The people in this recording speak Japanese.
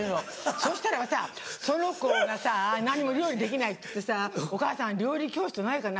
そしたらばさその子がさ何も料理できないって言ってさお母さん料理教室ないかな？